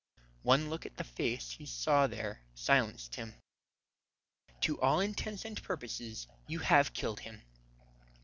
One look at the face he saw there silenced him. "To all intents and purposes you have killed him.